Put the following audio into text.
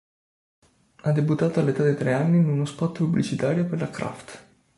Ha debuttato all'età di tre anni in uno spot pubblicitario per la Kraft.